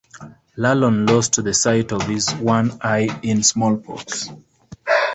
Lalon lost the sight of his one eye in smallpox.